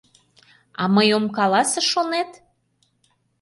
— А мый ом каласе, шонет?